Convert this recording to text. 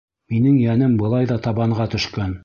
Минең йәнем былай ҙа табанға төшкән.